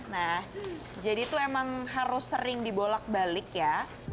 nah jadi itu emang harus sering dibolak balik ya